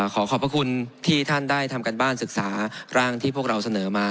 ขอขอบพระคุณที่ท่านได้ทำการบ้านศึกษาร่างที่พวกเราเสนอมา